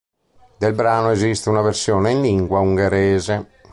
Del brano esiste una versione in lingua ungherese.